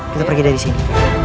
kita pergi dari sini